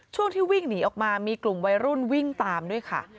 ช่วงที่วิ่งหนีออกมามีกลุ่มวัยรุ่นวิ่งตามด้วยค่ะ